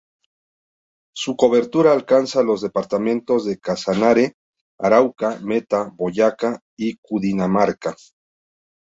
Su cobertura alcanza los departamentos de Casanare, Arauca, Meta, Boyacá y Cundinamarca.